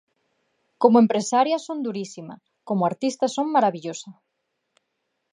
Como empresaria son durísima, como artista son marabillosa.